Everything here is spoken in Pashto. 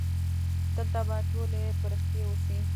دلته به ټولې پرښتې اوسي.